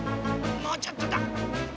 もうちょっとだ。